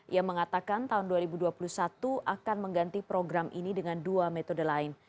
ia mengatakan tahun dua ribu dua puluh satu akan mengganti program ini dengan dua metode lain